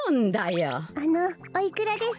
あのおいくらですか？